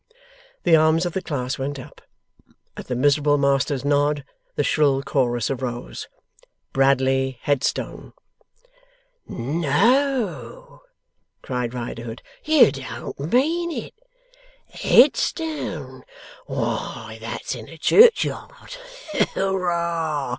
The arms of the class went up. At the miserable master's nod, the shrill chorus arose: 'Bradley Headstone!' 'No?' cried Riderhood. 'You don't mean it? Headstone! Why, that's in a churchyard.